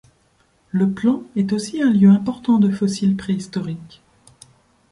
Le plan est aussi un lieu important de fossiles préhistoriques.